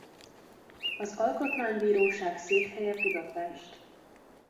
Az Alkotmánybíróság székhelye Budapest.